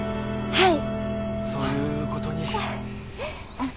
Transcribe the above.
はい。